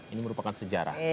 ini merupakan sejarah